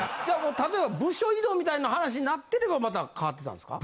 例えば部署異動みたいな話になってればまた変わってたんですか？